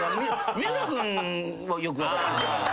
三浦君はよく分かってる。